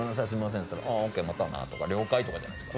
っつったら「またな」とか「了解」とかじゃないですか。